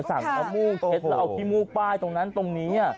สั่งกระมูกเท็จแล้วเอากิมูป้ายตรงนั้นตรงนี้